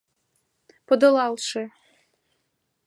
Подылалше.